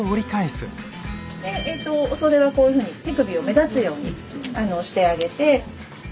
でお袖はこういうふうに手首を目立つようにしてあげて。